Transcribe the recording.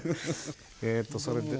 えっとそれで。